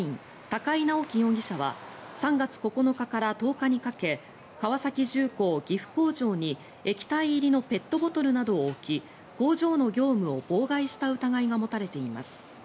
高井直輝容疑者は３月９日から１０日にかけ川崎重工、岐阜工場に液体入りのペットボトルなどを置き工場の業務を妨害した疑いが持たれています。